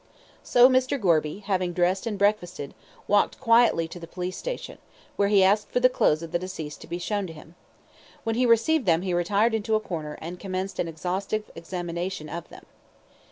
So Mr. Gorby, having dressed and breakfasted, walked quickly to the police station, where he asked for the clothes of the deceased to be shown to him. When he received them he retired into a corner, and commenced an exhaustive examination of them.